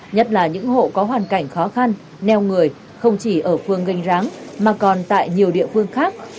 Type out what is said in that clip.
nhất là những hộ có hoàn cảnh khó khăn neo người không chỉ ở phương ganh ráng mà còn tại nhiều địa phương khác